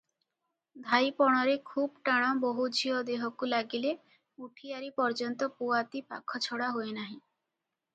ଧାଇପଣରେ ଖୁବ୍ ଟାଣ-ବୋହୂଝିଅ ଦେହକୁ ଲାଗିଲେ ଉଠିଆରି ପର୍ଯ୍ୟନ୍ତ ପୁଆତି ପାଖଛଡ଼ା ହୁଏନାହିଁ ।